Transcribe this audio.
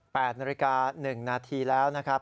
๘นาฬิกา๑นาทีแล้วนะครับ